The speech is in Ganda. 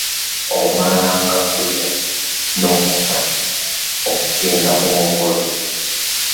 Omalanga kulya n'okkuta okugenda ku mukolo.